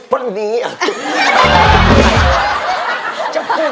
ไม่จริงไม่จริง